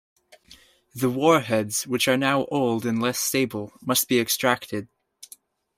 The warheads, which are now old and less stable, must be extracted.